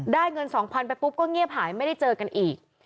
เงิน๒๐๐๐ไปปุ๊บก็เงียบหายไม่ได้เจอกันอีก